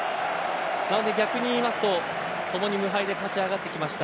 逆に言いますと共に無敗で勝ち上がってきました。